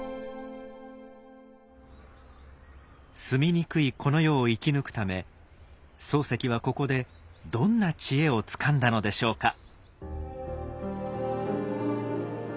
住みにくいこの世を生き抜くため漱石はここでどんな知恵をつかんだのでしょうか？